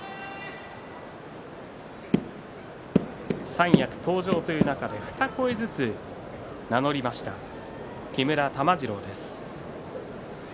三役登場という中で二声ずつ名乗りました木村玉治郎です。